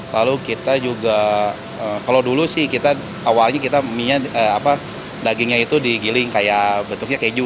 lalu kita juga kalau dulu sih kita awalnya kita dagingnya itu digiling kayak bentuknya keju